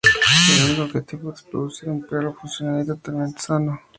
El único objetivo es producir un perro funcional y totalmente sano.